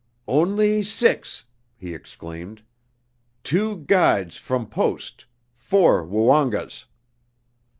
"Only six!" he exclaimed. "Two guides from Post four Woongas!"